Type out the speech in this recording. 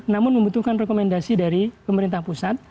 namun membutuhkan rekomendasi dari pemerintah pusat